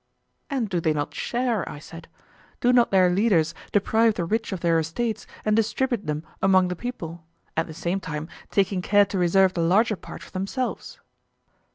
And do they not share? I said. Do not their leaders deprive the rich of their estates and distribute them among the people; at the same time taking care to reserve the larger part for themselves?